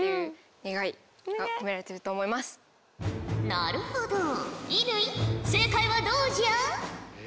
なるほど乾正解はどうじゃ？